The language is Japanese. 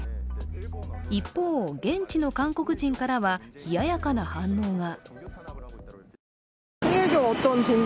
一方、現地の韓国人からは冷ややかな反応が。